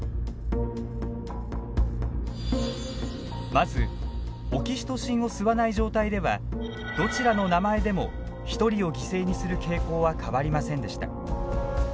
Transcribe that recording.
まずオキシトシンを吸わない状態ではどちらの名前でも１人を犠牲にする傾向は変わりませんでした。